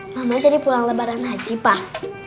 mama jadi pulang lebaran haji pak